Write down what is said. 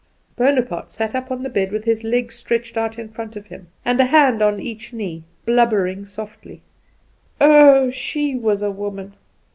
Bonaparte sat up on the bed with his legs stretched out in front of him, and a hand on each knee, blubbering softly. "Oh, she was a woman!